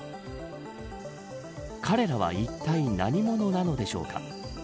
彼らはいったい何者なのでしょうか。